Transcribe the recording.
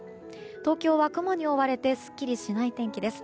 東京は雲に覆われてすっきりしない天気です。